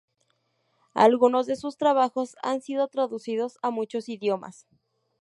Algunos de sus trabajos han sido traducidos a muchos idiomas.